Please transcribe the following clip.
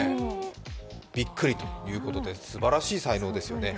びっくりということですばらしい才能ですよね。